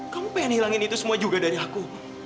kamu pengen hilangin itu semua juga dari aku